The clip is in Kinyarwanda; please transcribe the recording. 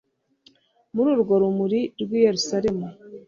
Muri urwo rumuri rw'i Yerusalemu,